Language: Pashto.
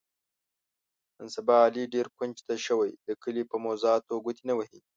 نن سبا علي ډېر کونج ته شوی، د کلي په موضاتو ګوتې نه وهي.